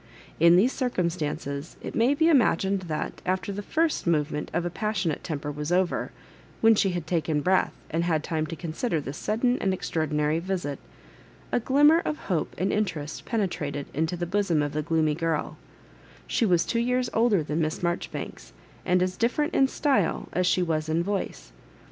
In these circumstances it may be imaguied that, after the first movement of a passionate temper was over, when she had taken breath, and bad time to consider this sud den and extraordinary visits a glimmer of hope and interest p^ietrated into the bosom of the gloomy girL She was two years older than Miss Marjoribanks, and as different in " style " as sbd was in voice.